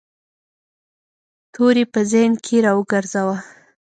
توری په ذهن کې را وګرځاوه.